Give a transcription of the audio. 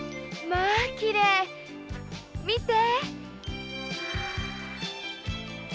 まぁきれい見て。